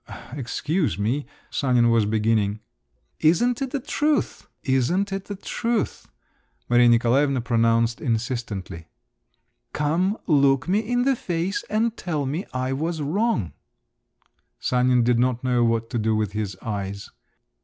"Excuse me," Sanin was beginning…. "Isn't it the truth? Isn't it the truth?" Maria Nikolaevna pronounced insistently. "Come, look me in the face and tell me I was wrong!" Sanin did not know what to do with his eyes.